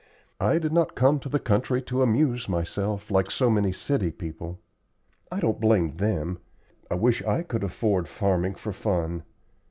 I did not come to the country to amuse myself, like so many city people. I don't blame them; I wish I could afford farming for fun.